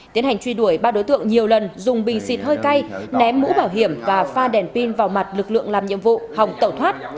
tiến hành truy đuổi ba đối tượng nhiều lần dùng bình xịt hơi cay ném mũ bảo hiểm và pha đèn pin vào mặt lực lượng làm nhiệm vụ hòng tẩu thoát